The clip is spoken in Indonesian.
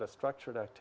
pesan utama adalah